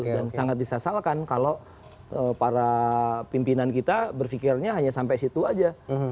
dan sangat disasarkan kalau para pimpinan kita berfikirnya hanya sampai situ aja